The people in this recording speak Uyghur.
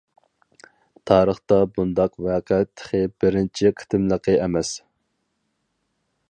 تارىختا بۇنداق ۋەقە تېخى بىرىنچى قېتىملىقى ئەمەس.